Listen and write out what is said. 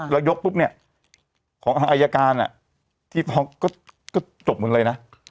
แล้วยกปุ๊บเนี่ยของทางอายการที่ฟ้องก็จบหมดเลยนะ